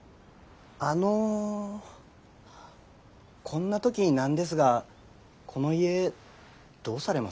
こんな時に何ですがこの家どうされます？